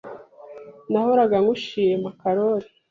Nahoraga ngushima, Karoli.